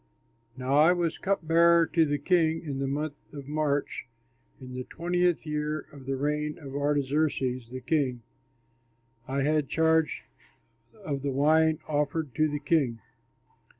Now I was cupbearer to the king, and in the month of March in the twentieth year of the reign of Artaxerxes, the king, I had charge of the wine offered to the king.